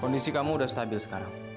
kondisi kamu sudah stabil sekarang